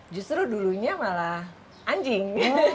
justru dulunya malah anjing